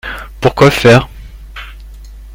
Pour quoi faire ?